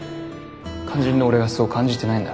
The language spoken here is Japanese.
肝心の俺がそう感じてないんだ。